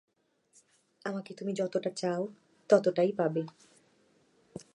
আমাকে তুমি যতটা চাও ততটাই পাবে।